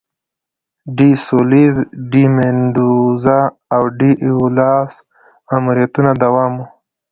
د ډي سولیز، ډي میندوزا او ډي ایولاس ماموریتونه دوام و.